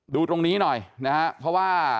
ดูตรงนี้หน่อยนะครับเพราะว่า